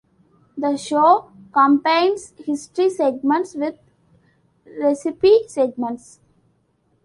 The show combines history segments with recipe segments.